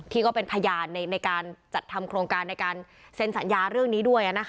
ก็เป็นพยานในการจัดทำโครงการในการเซ็นสัญญาเรื่องนี้ด้วย